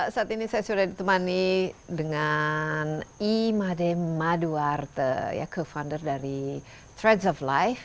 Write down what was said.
saat ini saya sudah ditemani dengan imade maduarte co founder dari trade of life